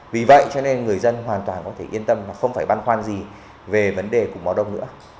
vì vậy cho nên người dân hoàn toàn có thể yên tâm và không phải băn khoan gì về vấn đề của mò đông nữa